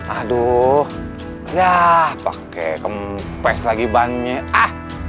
aduh ya pake kempes lagi bannya